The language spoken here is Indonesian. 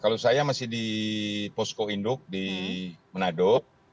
kalau saya masih di posko induk di manado